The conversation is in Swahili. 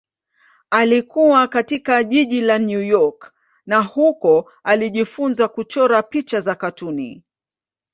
Alikua katika jiji la New York na huko alijifunza kuchora picha za katuni.